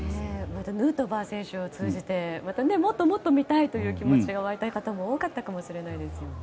ヌートバー選手を通じてまたもっともっと見たいという気持ちが沸いた方も多かったかもしれないですね。